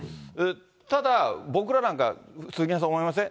ただ、僕らなんか普通に皆さん思いません？